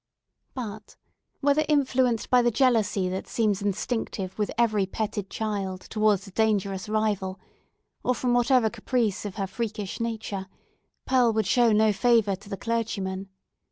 But, whether influenced by the jealousy that seems instinctive with every petted child towards a dangerous rival, or from whatever caprice of her freakish nature, Pearl would show no favour to the clergyman.